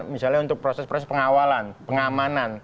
misalnya untuk proses proses pengawalan pengamanan